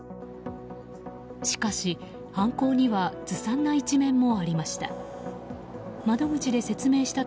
しかし犯行にはずさんな一面もありました。